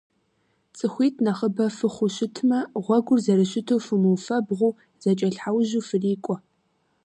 Цӏыхуитӏ нэхъыбэ фыхъуу щытмэ, гъуэгур зэрыщыту фымыуфэбгъуу, зэкӏэлъхьэужьу фрикӏуэ.